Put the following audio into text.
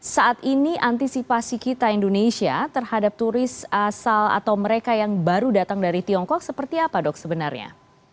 saat ini antisipasi kita indonesia terhadap turis asal atau mereka yang baru datang dari tiongkok seperti apa dok sebenarnya